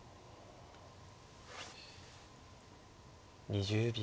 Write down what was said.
２０秒。